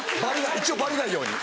一応バレないように。